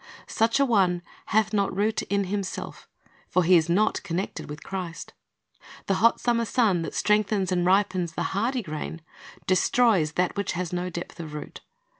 Such a one "hath not root in himself;" for he is not connected with Christ. The hot summer sun, that strengthens and ripens the hardy grain, destroys that which has no depth of root.